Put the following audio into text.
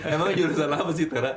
emang jurusan apa sih